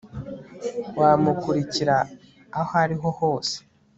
Wamukurikira aho ariho hose